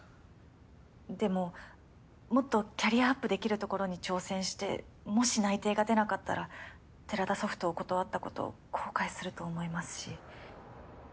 でももっとキャリアアップできるところに挑戦してもし内定が出なかったら寺田ソフトを断ったこと後悔すると思いますし。